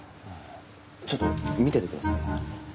ちょっと見ててくださいね。